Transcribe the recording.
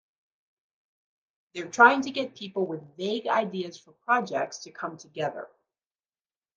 They're trying to get people with vague ideas for projects to come together.